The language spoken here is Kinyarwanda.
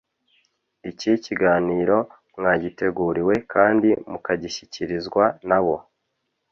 iki kiganiro mwagiteguriwe kandi mukagishyikirizwa nabo